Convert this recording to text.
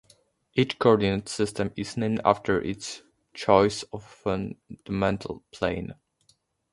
Each coordinate system is named after its choice of fundamental plane.